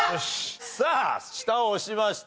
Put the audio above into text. さあ下を押しました。